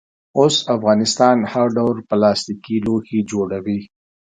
اوس افغانستان هر ډول پلاستیکي لوښي جوړوي.